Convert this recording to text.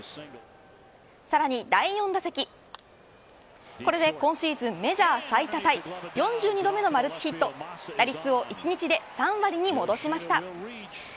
さらに第４打席これで今シーズンメジャー最多タイ４２度目のマルチヒット打率を１日で３割に戻しました。